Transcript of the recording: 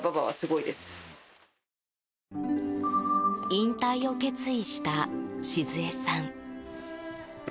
引退を決意した静恵さん。